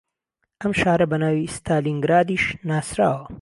ئەم شارە بە ناوی ستالینگرادیش ناسراوە